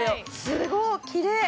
すごっきれい。